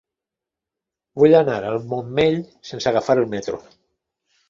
Vull anar al Montmell sense agafar el metro.